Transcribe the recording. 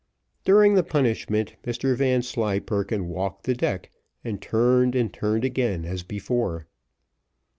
During the punishment, Mr Vanslyperken walked the deck, and turned and turned again as before.